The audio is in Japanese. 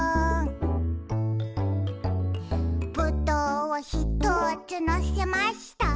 「ぶどうをひとつのせました」